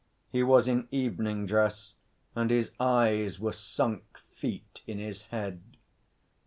He was in evening dress and his eyes were sunk feet in his head.